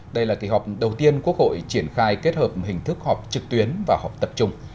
đây là kỳ họp đầu tiên quốc hội triển khai kết hợp hình thức họp trực tuyến và họp tập trung